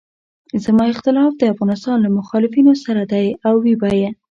زما اختلاف د افغانستان له مخالفینو سره دی او وي به.